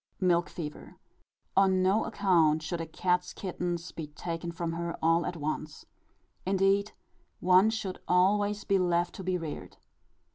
Milk Fever. On no account should a cat's kittens be taken from her all at once. Indeed, one should always be left to be reared.